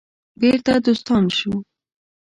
بیرته دوستان شو.